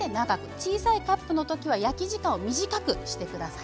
小さいカップのときは焼き時間を短くしてください。